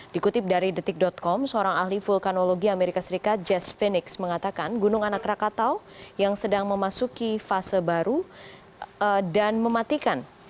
dikutip dari detik com seorang ahli vulkanologi amerika serikat jess phoenix mengatakan gunung anak rakatau yang sedang memasuki fase baru dan mematikan